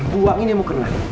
buangin emang kenalan